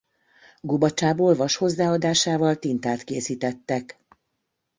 Gubacsából vas hozzáadásával tintát készítettek.